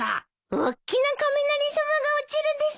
おっきな雷さまが落ちるです。